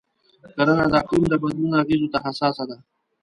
کرنه د اقلیم د بدلون اغېزو ته حساسه ده.